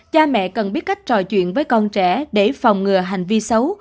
cha mẹ cần biết cách trò chuyện với con trẻ để phòng ngừa hành vi xấu